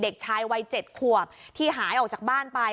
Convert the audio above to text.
เด็กชายวัย๗ขวบที่หายออกจากบ้านไป